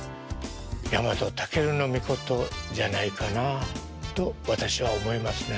日本武尊じゃないかなと私は思いますね。